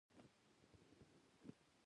• د شیدو څښل د غاښونو لپاره ګټور دي.